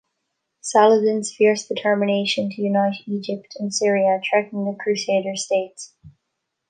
Saladin's fierce determination to unite Egypt and Syria threatened the crusader states.